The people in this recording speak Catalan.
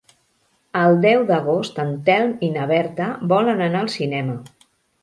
El deu d'agost en Telm i na Berta volen anar al cinema.